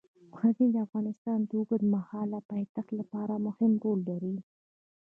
غزني د افغانستان د اوږدمهاله پایښت لپاره مهم رول لري.